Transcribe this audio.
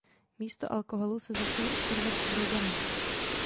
Místo alkoholu se začalo obchodovat s drogami.